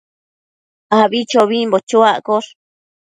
abichobimbo chuaccosh